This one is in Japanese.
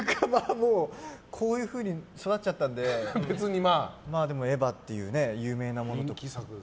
もうこういうふうに育っちゃったのででも、エヴァという有名なものと同じで。